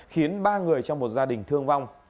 khiến ba người trong một gia đình thương vong